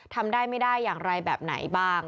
ทำได้ไม่ได้อย่างไรแบบไหนบ้าง